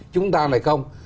chúng ta lại không